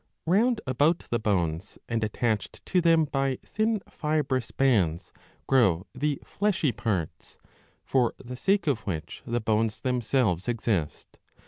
Round about the bones, and attached to them by thin fibrous bands, grow the fleshy parts, for the sake of which the bones themselves exist.